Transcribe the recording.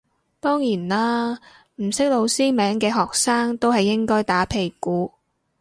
當然啦唔識老師名嘅學生都係應該打屁股